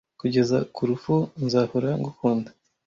kugeza ku rupfu nzahora ngukunda